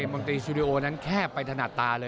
มนตรีสตูดิโอนั้นแคบไปถนัดตาเลย